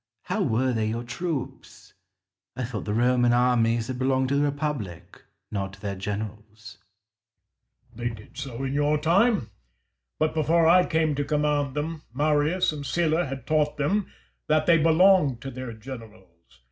How were they your troops? I thought the Roman armies had belonged to the Republic, not to their generals. Caesar. They did so in your time. But before I came to command them, Marius and Sylla had taught them that they belonged to their generals.